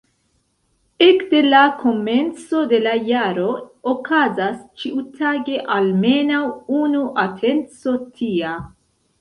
Ekde la komenco de la jaro okazas ĉiutage almenaŭ unu atenco tia.